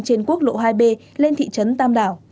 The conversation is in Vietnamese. trên quốc lộ hai b lên thị trấn tam đảo